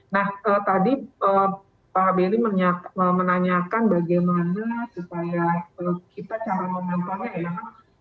nah tadi pak belly menanyakan bagaimana supaya kita cara memantaunya ya